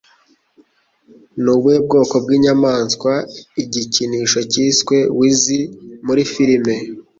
Ni ubuhe bwoko bw'inyamaswa igikinisho cyiswe Weezy muri film?